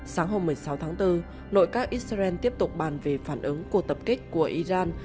sáng hôm một mươi sáu tháng bốn nội các israel tiếp tục bàn về phản ứng cuộc tập kích của iran